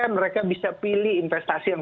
mereka bisa pilih investasi yang